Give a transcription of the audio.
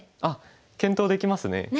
あっ検討できますね。